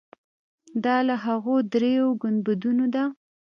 دا له هغو درېیو ګنبدونو ده.